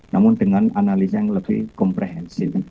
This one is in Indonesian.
namun dengan analisa yang lebih komprehensif